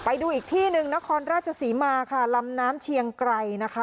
ไปดูอีกที่หนึ่งนครราชศรีมาค่ะลำน้ำเชียงไกรนะคะ